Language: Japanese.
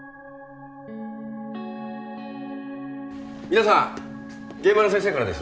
皆さん現場の先生からです。